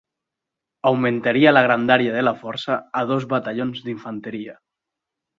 Augmentaria la grandària de la Força a dos batallons d'infanteria.